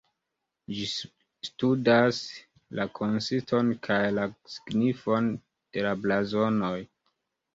Ĝi studas la konsiston kaj la signifon de la blazonoj.